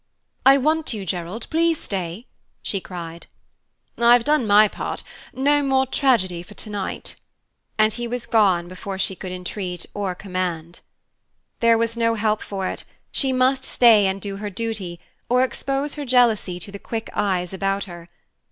"I want you, Gerald; please stay," she cried. "I've done my part no more tragedy for me tonight." And he was gone before she could entreat or command. There was no help for it; she must stay and do her duty, or expose her jealousy to the quick eyes about her.